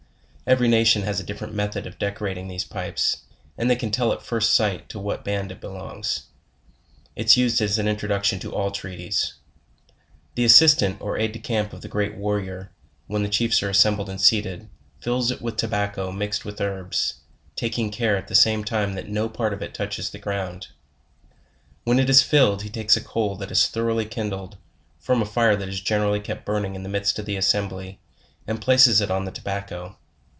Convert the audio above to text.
Every nation has a different method of decorating these pipes; and they ca.n tell at first sight .to what band it belongs. It is used as an introduction to all treaties. The assistant or aid de camp of the great warrior, when the chiefs are assembled and seated, fills it with tobacco mix ed ^.with herbs, taking care at the same time that no part of it touches the ground. When it is filled, he takes a coal that is thoroughly kindled, from a fire that is generally kept burning in the midst of the assembly, and places it on the tobacco.